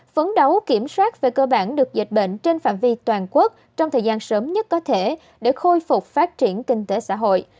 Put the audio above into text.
phấn đấu kiểm soát về cơ bản được dịch bệnh trên phạm vi toàn quốc trong thời gian sớm nhất có thể để khôi phục phát triển kinh tế xã hội